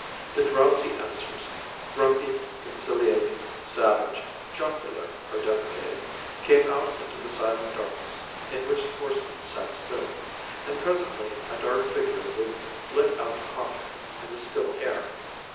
The drowsy answers grumpy, conciliating, savage, jocular, or deprecating came out into the silent darkness in which the horseman sat still, and presently a dark figure would flit out coughing in the still air.